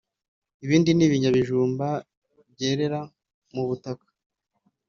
ibindi ni ibinyabijumba. byerera mu butaka.